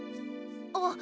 あっ。